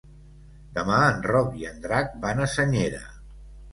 Demà en Roc i en Drac van a Senyera.